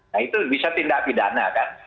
nah itu bisa tindak pidana kan